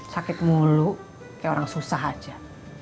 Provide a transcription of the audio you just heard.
sakit mulu kayak orang susah aja